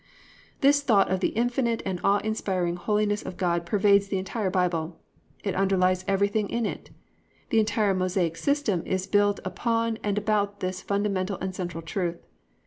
"+ This thought of the infinite and awe inspiring holiness of God pervades the entire Bible. It underlies everything in it. The entire Mosaic system is built upon and about this fundamental and central truth.